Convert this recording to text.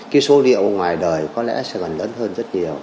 cái số liệu ngoài đời có lẽ sẽ còn lớn hơn rất nhiều